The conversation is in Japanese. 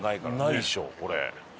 ないでしょこれ。